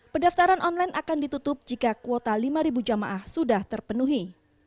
pendaftaran online akan ditutup jika kuota lima jamaah sudah terpenuhi